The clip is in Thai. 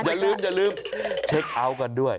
อย่าลืมเช็คอัวกันด้วย